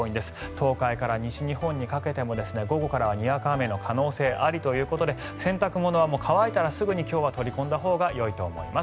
東海から西にかけても午後からはにわか雨の可能性ありということで洗濯物は乾いたらすぐに取り込んだほうがいいと思います。